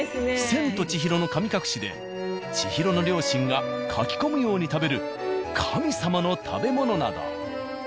「千と千尋の神隠し」で千尋の両親がかき込むように食べる神様の食べ物など。